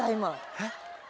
えっ？